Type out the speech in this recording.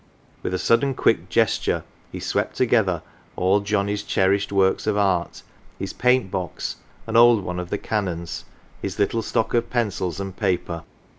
With a sudden quick gesture he swept together all Johnnie's cherished works of art, his paint box an old one of the Canon's his little stock of pencils and paper.